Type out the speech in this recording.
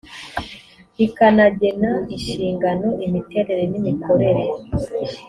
rikanagena inshingano imiterere n imikorere